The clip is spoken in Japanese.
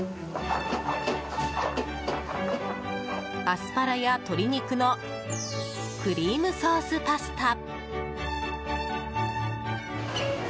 アスパラや鶏肉のクリームソースパスタ。